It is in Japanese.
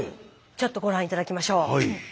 ちょっとご覧頂きましょう。